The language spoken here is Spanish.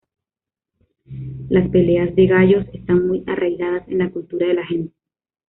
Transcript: Las peleas de gallos están muy arraigadas en la cultura de la gente.